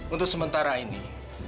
untuk sementara ini